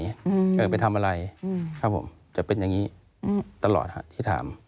อยากไปทำอะไรครับผมจะเป็นอย่างนี้ตลอดที่ถาม